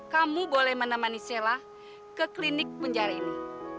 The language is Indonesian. kamu boleh menemani sella ke klinik penjara ini